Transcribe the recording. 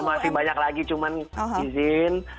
masih banyak lagi cuman izin